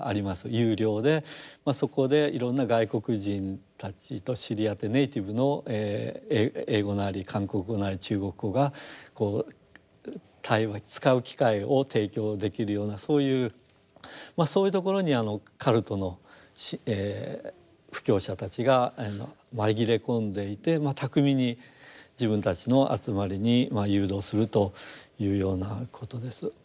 有料でそこでいろんな外国人たちと知り合ってネイティブの英語なり韓国語なり中国語がこう対話使う機会を提供できるようなそういうそういうところにカルトの布教者たちが紛れ込んでいて巧みに自分たちの集まりに誘導するというようなことです。